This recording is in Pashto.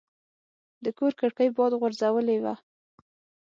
د کور کړکۍ باد غورځولې وه.